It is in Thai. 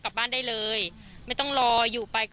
ก็กลายเป็นว่าติดต่อพี่น้องคู่นี้ไม่ได้เลยค่ะ